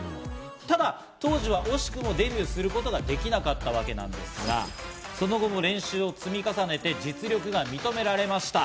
ただ当時は惜しくもデビューすることができなかったわけなんですが、その後も練習を積み重ねて、実力が認められました。